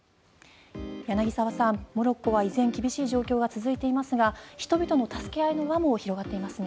柳澤さん、モロッコは依然厳しい状況が続いていますが人々の助け合いの輪も広がっていますね。